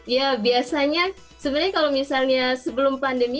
ya biasanya sebenarnya kalau misalnya sebelum pandemi